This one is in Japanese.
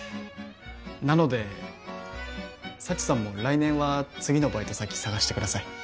なので幸さんも来年は次のバイト先探してください。